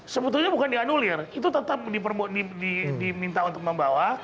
sebetulnya bukan dianulir itu tetap diminta untuk membawa